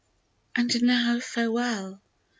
AND now farewell !